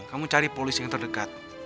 kamu cari polisi yang terdekat